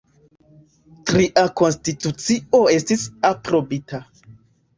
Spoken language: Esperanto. Tria konstitucio estis aprobita.